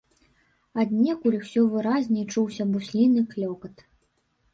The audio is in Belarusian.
Аднекуль усё выразней чуўся бусліны клёкат.